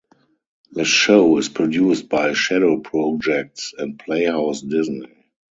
The show is produced by Shadow Projects and Playhouse Disney.